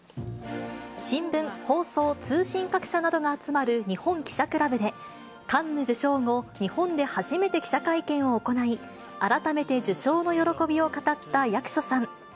新聞、放送、通信各社などが集まる日本記者クラブで、カンヌ受賞後、日本で初めて記者会見を行い、改めて受賞の喜びを語った役所さん。